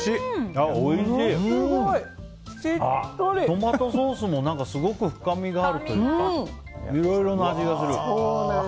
トマトソースもすごく深みがあるというかいろいろな味がする。